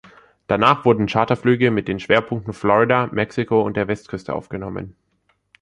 Danach wurden Charterflüge mit den Schwerpunkten Florida, Mexiko und der Westküste aufgenommen.